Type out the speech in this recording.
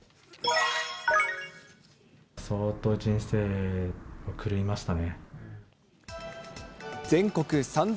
相当人生狂いましたね。